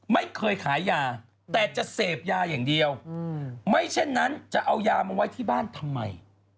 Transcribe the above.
มียาเอาไว้ที่บ้านทำไม